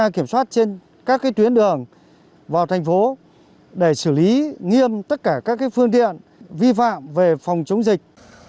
kiểm soát trên các tuyến đường vào thành phố để xử lý nghiêm tất cả các phương tiện vi phạm về phòng chống dịch